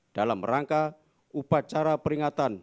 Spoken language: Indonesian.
dalam rangka upacara peringatan